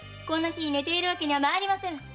こんな日に寝ているわけにはまいりませぬ。